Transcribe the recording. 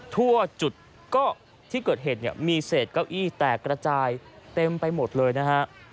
ทั่วจุดก็ที่เกิดเหตุเนี่ยมีเศษเก้าอี้แตกกระจายเต็มไปหมดเลยนะฮะ